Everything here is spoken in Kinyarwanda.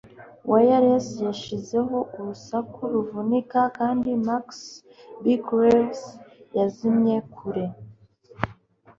Wireless yashizeho urusaku ruvunika kandi Max Bygraves yazimye kure